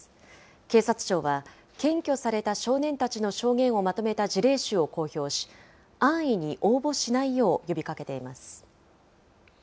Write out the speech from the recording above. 警察庁は検挙された少年たちの証言をまとめた事例集を公表し、安易に応募しないよう呼びかけています。